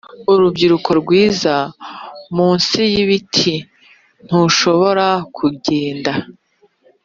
urubyiruko rwiza, munsi yibiti, ntushobora kugenda